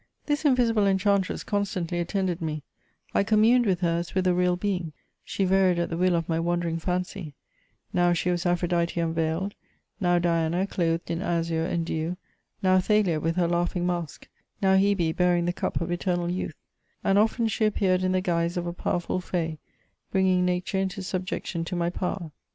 •This inyisible enchantress constantly attended me, I com muted with her as with a real being ; she varied at the will •of my wandering fancy — ^now she was Aphrodite unveiled, AQW Diana clothed in azure fmd dew, now Thalia with her laughing mask, now Hebe bearing the cup of eternal youth—r •and of^n she appeared in the guise of a powerful fay, bringmg nature into subj(Mstion to my power.